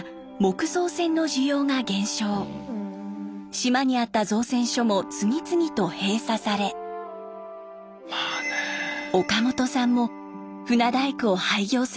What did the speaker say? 島にあった造船所も次々と閉鎖され岡本さんも船大工を廃業することに。